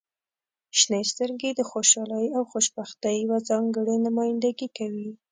• شنې سترګې د خوشحالۍ او خوشبختۍ یوه ځانګړې نمایندګي کوي.